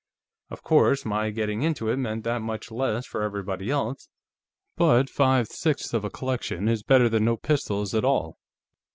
Of course, my getting into it meant that much less for everybody else, but five sixths of a collection is better than no pistols at all.